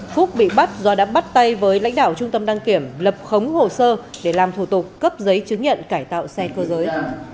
phúc bị bắt do đã bắt tay với lãnh đạo trung tâm đăng kiểm lập khống hồ sơ để làm thủ tục cấp giấy chứng nhận cải tạo xe cơ giới